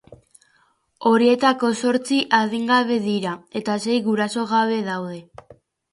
Horietako zortzi adingabe dira, eta sei guraso gabe daude.